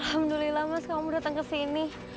alhamdulillah mas kamu datang ke sini